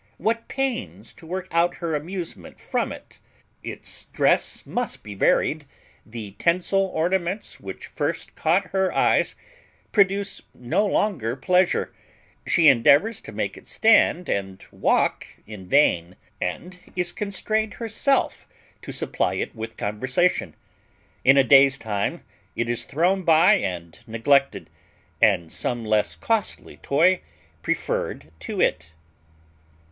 What pains to work out her amusement from it! Its dress must be varied; the tinsel ornaments which first caught her eyes produce no longer pleasure; she endeavours to make it stand and walk in vain, and is constrained herself to supply it with conversation. In a day's time it is thrown by and neglected, and some less costly toy preferred to it.